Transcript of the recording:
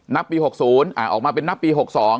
นับปี๖๐ออกมาเป็นนับปี๖๒